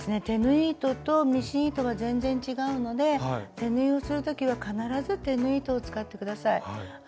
手縫い糸とミシン糸は全然違うので手縫いをする時は必ず手縫い糸を使って下さい。